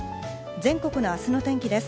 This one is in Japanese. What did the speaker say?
全国の明日のお天気です。